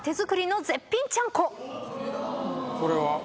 これは？